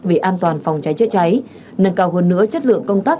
về an toàn phòng cháy chữa cháy nâng cao hơn nữa chất lượng công tác